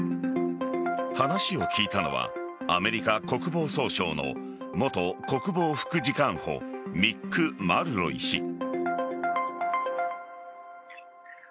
話を聞いたのはアメリカ国防総省の元国防副次官補ミック・マルロイ氏。